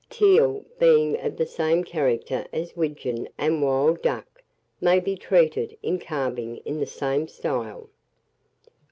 TEAL, being of the same character as Widgeon and Wild Duck, may be treated, in carving, in the same style.